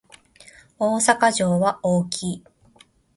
大阪城は大きい